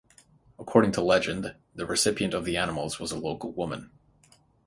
According to legend, the recipient of the animals was a local woman.